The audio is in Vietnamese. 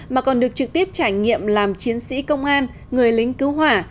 mà còn được trực tiếp trải nghiệm làm chiến sĩ công an người lính cứu hỏa